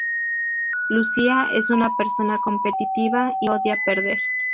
Lucía es una persona competitiva y odia perder.